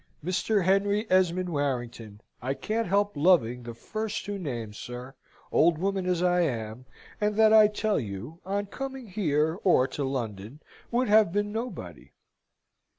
Mr. Henry Esmond Warrington I can't help loving the two first names, sir, old woman as I am, and that I tell you on coming here or to London, would have been nobody.